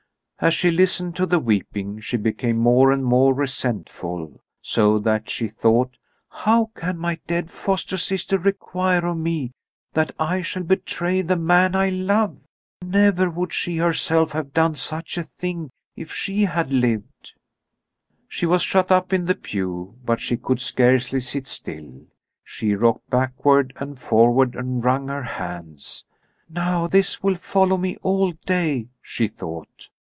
As she listened to the weeping she became more and more resentful, so that she thought: "How can my dead foster sister require of me that I shall betray the man I love? Never would she herself have done such a thing, if she had lived." She was shut up in the pew, but she could scarcely sit still. She rocked backward and forward and wrung her hands. "Now this will follow me all day," she thought.